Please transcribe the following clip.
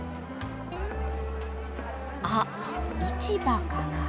あっ市場かな？